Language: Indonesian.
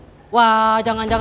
ini pasti orang